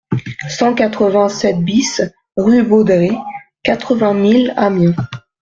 cent quatre-vingt-sept BIS rue Baudrez, quatre-vingt mille Amiens